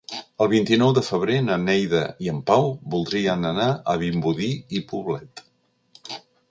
El vint-i-nou de febrer na Neida i en Pau voldrien anar a Vimbodí i Poblet.